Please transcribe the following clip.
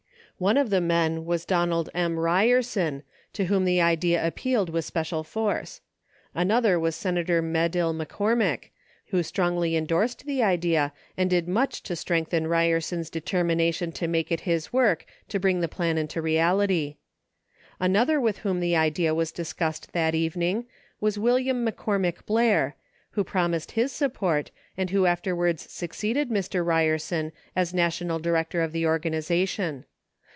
One of the men was Donald M. Ryerson, to whom the idea appealed with special force. Another was Senator Medill McCormick, who strongly endorsed the idea and did much to strengthen Mr. Ryerson's deter mination to make it his work to bring the plan into 10 reality. Another with whom the idea was discussed that evening was William McCormick Blair, who promised his support, and who afterwards succeeded Mr. Ryer son as national director of the organization.